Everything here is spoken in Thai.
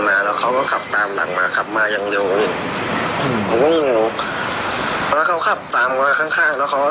ตอนตั้งหมดพวกเขาจะแผ่นเข้าตรงนอนขาผม